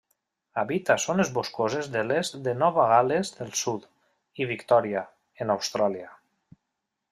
Habita zones boscoses de l'est de Nova Gal·les del Sud i Victòria, en Austràlia.